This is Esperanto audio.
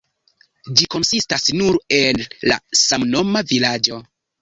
Ĝi konsistas nur el la samnoma vilaĝo.